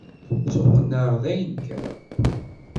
Ttuqennεeɣ dayen kan.